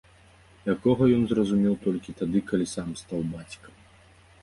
Якога ён зразумеў толькі тады, калі сам стаў бацькам.